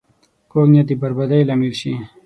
کوږ نیت د بربادۍ لامل شي